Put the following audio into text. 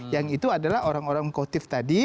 yang itu adalah orang orang kotif tadi